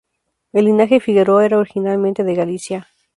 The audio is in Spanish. El linaje Figueroa era originalmente de Galicia.